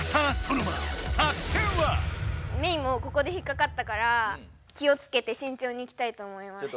メイもここで引っかかったから気をつけてしんちょうにいきたいと思います。